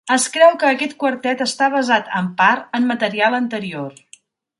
Es creu que aquest quartet està basat, en part, en material anterior.